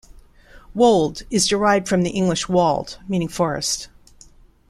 Wold, is derived from the Old English "Wald" meaning "forest".